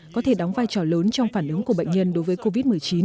có thể đóng vai trò lớn trong phản ứng của bệnh nhân đối với covid một mươi chín